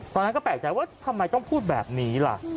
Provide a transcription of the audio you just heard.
ตอนนั้นก็แปลกใจว่าทำไมต้องพูดแบบนี้ล่ะ